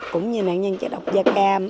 cũng như nạn nhân chất độc da cam